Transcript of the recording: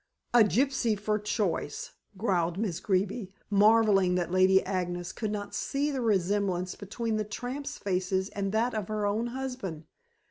"A gypsy for choice," growled Miss Greeby, marvelling that Lady Agnes could not see the resemblance between the tramps' faces and that of her own husband.